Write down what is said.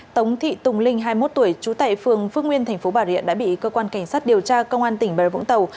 tống thị tùng linh hai mươi một tuổi trú tại phường phước nguyên tp bảo điện đã bị cơ quan cảnh sát điều tra công an tỉnh bờ vũng tàu